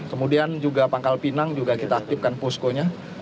kemudian juga pangkal pinang juga kita aktifkan poskonya